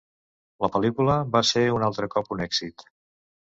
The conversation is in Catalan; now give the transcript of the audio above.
La pel·lícula va ser un altre cop un èxit.